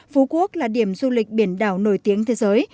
phú quốc là điểm du lịch biển đảo nổi tiếng thế giới